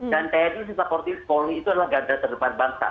dan tni supporti poli itu adalah ganda terdepan bangsa